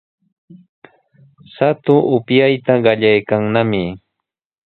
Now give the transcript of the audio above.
Shatu upyayta qallaykannami.